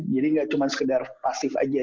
jadi gak cuma sekedar pasif aja